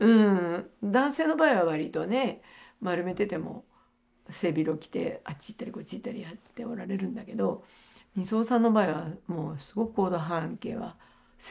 男性の場合はわりとね丸めてても背広着てあっち行ったりこっち行ったりやっておられるんだけど尼僧さんの場合はすごく行動半径は狭まりますよね。